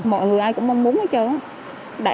mọi người ai cũng mong muốn hết trơn